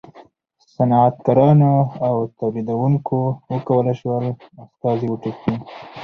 صنعتکارانو او تولیدوونکو و کولای شول استازي وټاکي.